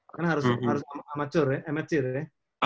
kan harus amateur ya